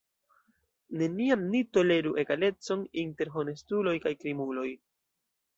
Neniam ni toleru egalecon inter honestuloj kaj krimuloj!